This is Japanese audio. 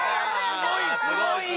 すごいすごい。